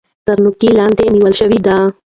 تر نېوکې لاندې نيول شوي دي.